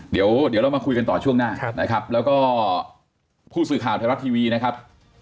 เดี๋ยวเรามาคุยกันต่อช่วงหน้านะครับแล้วก็ผู้สื่อข่าวไทยรัฐทีวีนะครับ